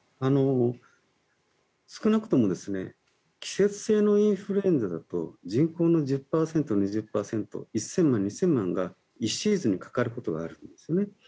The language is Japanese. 少なくとも季節性のインフルエンザだと人口の１０％、２０％１０００万、２０００万が１シーズンにかかることがあるんですね。